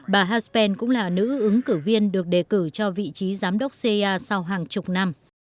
bà haspen cũng là nữ ứng cử viên được đề cử cho vị trí giám đốc cia sau hàng chục năm